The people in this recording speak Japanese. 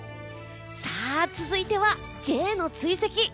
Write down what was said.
さあ続いては、Ｊの追跡。